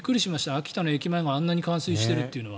秋田の駅前があんなに冠水しているというのは。